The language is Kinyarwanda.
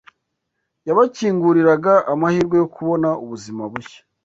yabakinguriraga amahirwe yo kubona ubuzima bushya